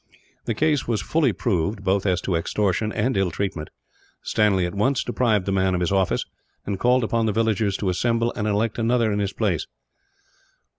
The case was fully proved, both as to extortion and ill treatment. Stanley at once deprived the man of his office, and called upon the villagers to assemble and elect another in his place.